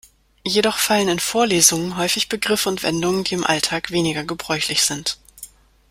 Jedoch fallen in Vorlesungen häufig Begriffe und Wendungen, die im Alltag weniger gebräuchlich sind.